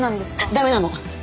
ダメなの！